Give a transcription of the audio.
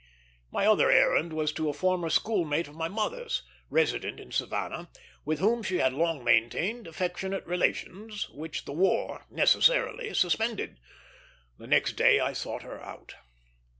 My other errand was to a former school mate of my mother's, resident in Savannah, with whom she had long maintained affectionate relations, which the war necessarily suspended. The next day I sought her out.